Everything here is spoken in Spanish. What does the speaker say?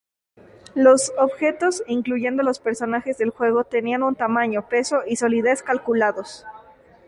Los objetos, incluyendo los personajes del juego, tenían un tamaño, peso y solidez calculados.